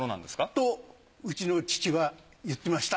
とうちの父は言ってました。